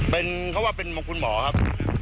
เป็นเขาว่าเป็นคุณหมอครับ